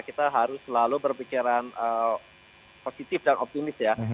kita harus selalu berpikiran positif dan optimis ya